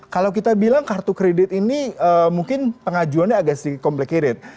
kalau kita bilang kartu kredit ini mungkin pengajuannya agak sedikit complicated